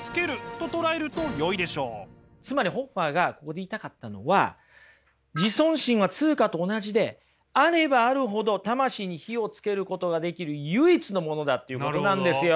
つまりホッファーがここで言いたかったのは自尊心は通貨と同じであればあるほど魂に火をつけることができる唯一のものだっていうことなんですよ。